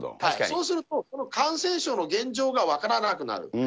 そうするとその感染症の現状が分からなくなる。